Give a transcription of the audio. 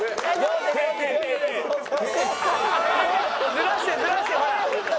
ずらしてずらしてほら！